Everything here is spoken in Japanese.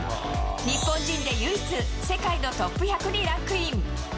日本人で唯一、世界のトップ１００にランクイン。